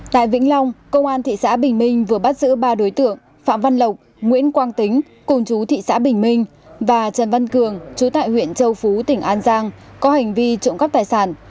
tại vĩnh long công an thị xã bình minh vừa bắt giữ ba đối tượng phạm văn lộc nguyễn quang tính cùng chú thị xã bình minh và trần văn cường chú tại huyện châu phú tỉnh an giang có hành vi trộm cắp tài sản